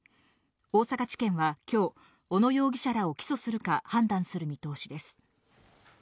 大阪地検は今日、小野容疑者らを起訴するか判断する見通しです。